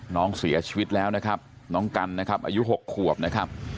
น้องเสียชีวิตแล้วนะครับน้องกันนะครับอายุ๖ขวบนะครับ